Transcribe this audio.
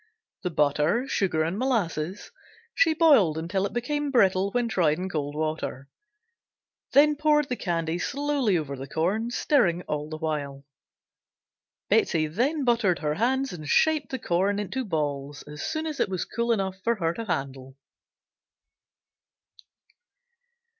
The butter, sugar and molasses she boiled until it became brittle when tried in cold water, then poured the candy slowly over the corn, stirring all the while. Betsey then buttered her hands and shaped the corn into balls as soon as it was cool enough for her to handle.